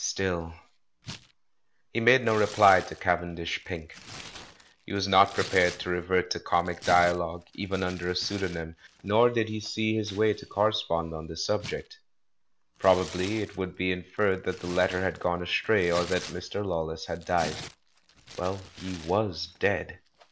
Still He made no reply to Cavendish Pink. He was not ppepared to revert to comic dialogue, even under a pseudonj^m, nor did he see his way to correspond on the subject. Probably it would be inferred that the letter had gone astray, or that Mr. Lawless had died. Well, he was dead.